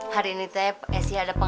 hari ini te sit ada pembantu